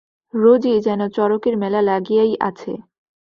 রোজই যেন চড়কের মেলা লাগিয়াই আছে।